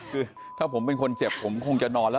คือถ้าผมเป็นคนเจ็บผมคงจะนอนแล้ว